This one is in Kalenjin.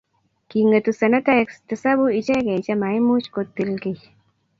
king'etu senetaek tisabu ichegei chemaimuch kotil kiy